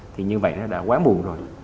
thì như vậy nó đã quá buồn rồi